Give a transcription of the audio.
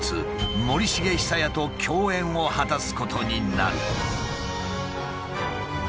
森繁久彌と共演を果たすことになる。